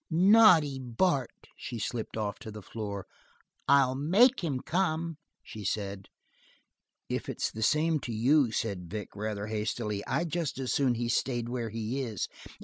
"Naughty Bart!" She slipped off to the floor. "I'll make him come," she said. "If it's the same to you," said Vic, rather hastily, "I'd just as soon he stayed where he is."